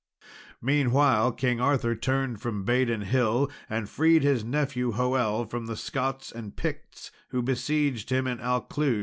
Meanwhile, King Arthur turned from Badon Hill, and freed his nephew Hoel from the Scots and Picts, who besieged him in Alclud.